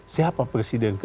siapa presiden ke delapan